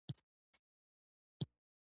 موږ غواړو په مغزو کې د ژبې اړوند برخې وپیژنو